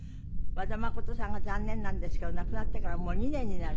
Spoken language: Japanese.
和田誠さんが残念なんですけど亡くなってからもう２年になる？